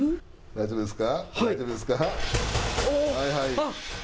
大丈夫ですか？